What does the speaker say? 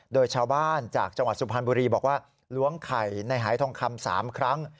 โดยชาวบ้านจากจังหวัดสุพรรณบุรีบอกว่าล้วงไข่ในหายทองคำ๓ครั้ง